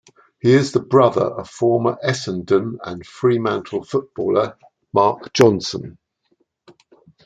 He is the brother of former Essendon and Fremantle footballer Mark Johnson.